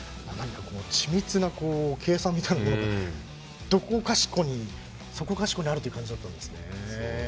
緻密な計算みたいなものがそこかしこにある感じだったんですね。